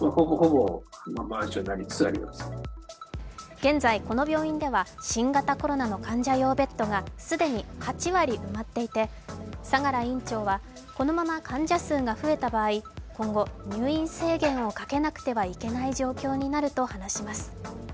現在、この病院では新型コロナの患者用ベッドが既に８割埋まっており相良院長は、このまま患者数が増えた場合、今後、入院制限をかけなくてはいけない状況になると話します。